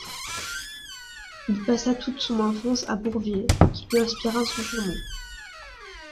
Il passa toute son enfance à Bourville, qui lui inspira son surnom.